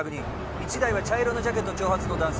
一台は茶色のジャケット長髪の男性